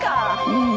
うん。